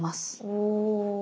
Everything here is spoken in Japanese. お。